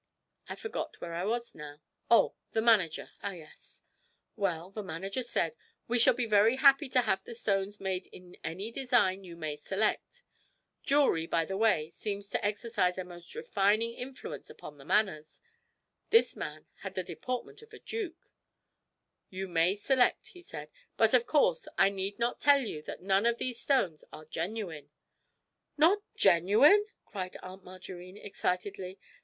I forgot where I was now oh, the manager, ah yes! Well, the manager said, "We shall be very happy to have the stones made in any design you may select" jewellery, by the way, seems to exercise a most refining influence upon the manners: this man had the deportment of a duke "you may select," he said; "but of course I need not tell you that none of these stones are genuine."' 'Not genuine!' cried Aunt Margarine excitedly.